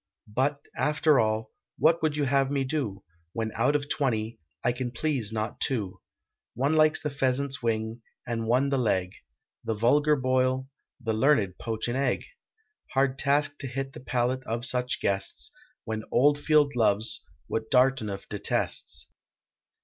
But, after all, what would you have me do, When, out of twenty, I can please not two? One likes the pheasant's wing, and one the leg; The vulgar boil, the learned poach an egg; Hard task to hit the palate of such guests, When Oldfield loves what Dartineuf detests.